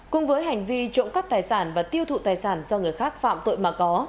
cùng với hành vi trộm cắp tài sản và tiêu thụ tài sản do người khác phạm tội mà có